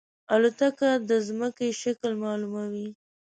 الوتکه د زمکې شکل معلوموي.